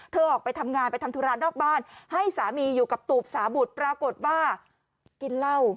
ออกไปทำงานไปทำธุระนอกบ้านให้สามีอยู่กับตูบสาบุตรปรากฏว่ากินเหล้า